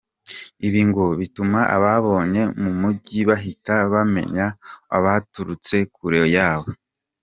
Ibi ngo bituma abababonye mu mujyi bahita bamenya o baturutse kure yawo.